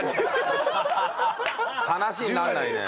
話にならないね。